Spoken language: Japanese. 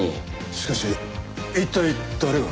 しかし一体誰が。